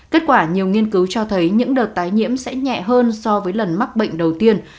kết quả nhiều nghiên cứu cho thấy những đợt tái nhiễm sẽ nhẹ hơn so với lần mắc bệnh đầu tiên